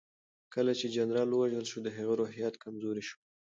کله چې جنرال ووژل شو د هغوی روحيات کمزوري شول.